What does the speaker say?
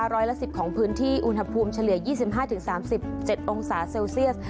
ร้อยละ๑๐ของพื้นที่อุณหภูมิเฉลี่ย๒๕๓๗องศาเซลเซียส